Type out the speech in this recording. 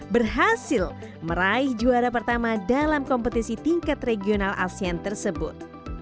berhasil meraih juara pertama dalam kompetisi tingkat regional asean tersebut